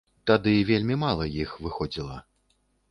Тады вельмі мала іх выходзіла.